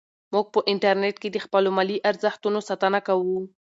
موږ په انټرنیټ کې د خپلو ملي ارزښتونو ساتنه کوو.